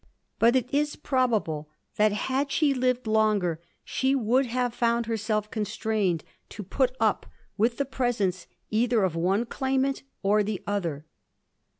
But it is probable that had she lived longer she would have found herself constrained to put up with the presence either of one claimant or the other.